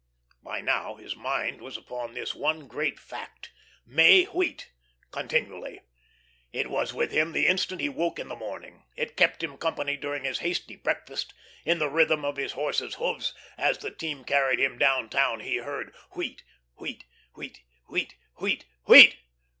By now his mind was upon this one great fact May Wheat continually. It was with him the instant he woke in the morning. It kept him company during his hasty breakfast; in the rhythm of his horses' hoofs, as the team carried him down town he heard, "Wheat wheat wheat, wheat wheat wheat."